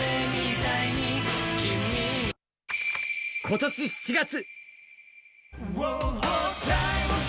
今年７月。